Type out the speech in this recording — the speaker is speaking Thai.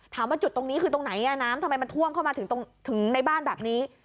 ถามว่าจุดตรงนี้คือตรงไหนน้ำทำไมมันท่วมเข้ามาถึงในบ้านแบบนี้